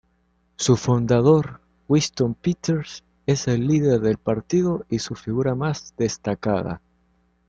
Su fundador, Winston Peters, es el líder del partido y su figura más destacada.